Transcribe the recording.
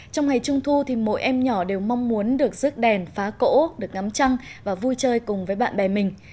trong ngày trung thu thì mỗi em nhỏ đều mong muốn được rước đèn phá cỗ được ngắm trăng và vui chơi cùng với bạn bè mình